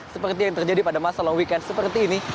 seperti yang terjadi pada masa long weekend seperti ini